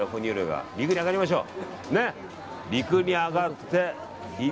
陸に上がりましょう。